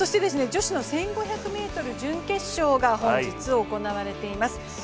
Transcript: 女子の１５００ｍ準決勝が本日行われています。